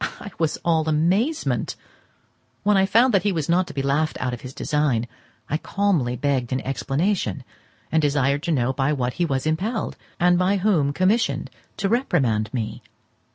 I was all amazement. When I found that he was not to be laughed out of his design, I calmly begged an explanation, and desired to know by what he was impelled, and by whom commissioned, to reprimand me.